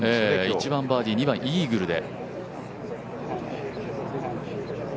１番、バーディー２番、イーグルで。